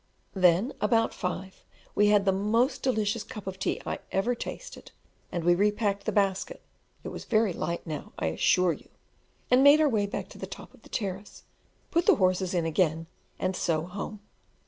Then, about five, we had the most delicious cup of tea I ever tasted, and we repacked the basket (it was very light now, I assure you), and made our way back to the top of the terrace, put the horses in again, and so home.